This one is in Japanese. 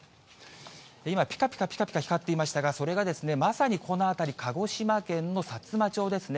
今、ぴかぴかぴかぴか光っていましたが、それがまさにこの辺り、鹿児島県のさつま町ですね。